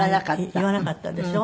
言わなかったでしょ。